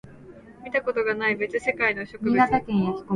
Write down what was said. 見たことがない別世界の植物